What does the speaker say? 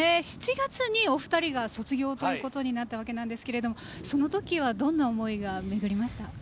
７月にお二人が卒業ということになったわけなんですがその時はどんな思いが巡りました？